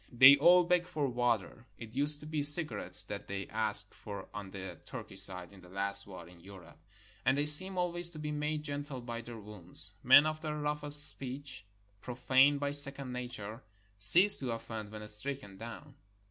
They all beg for water (it used to be cigarettes that they asked for on the Turkish side in the last war in Europe), and they seem always to be made gentle by their wounds. Men of the rough est speech, profaae by second nature, cease to offend when stricken down.